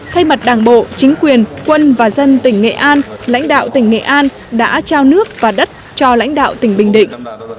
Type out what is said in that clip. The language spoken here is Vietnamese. thay mặt đảng bộ chính quyền quân và dân tỉnh nghệ an lãnh đạo tỉnh nghệ an đã trao nước và đất cho lãnh đạo tỉnh bình định